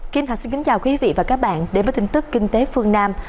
kính thưa quý vị và các bạn đến với tin tức kinh tế phương nam